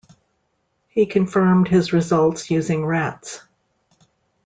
He confirmed his results using rats.